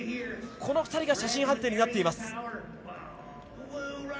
この２人が写真判定になっています。